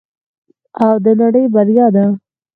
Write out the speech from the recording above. او د نړۍ بریا ده.